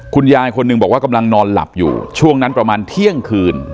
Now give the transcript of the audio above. คุณยายคนหนึ่งบอกว่ากำลังนอนหลับอยู่ช่วงนั้นประมาณเที่ยงคืน